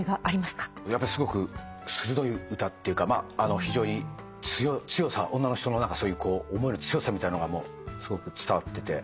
すごく鋭い歌っていうか非常に強さ女の人の思いの強さみたいなのがすごく伝わってて。